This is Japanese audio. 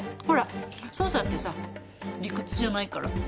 ほら捜査ってさ理屈じゃないから。